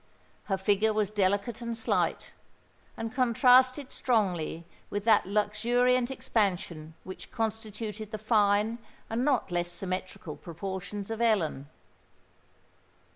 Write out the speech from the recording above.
Her figure was delicate and slight, and contrasted strongly with that luxuriant expansion which constituted the fine and not less symmetrical proportions of Ellen.